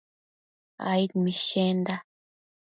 aid mishenda